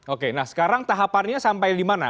oke nah sekarang tahapannya sampai dimana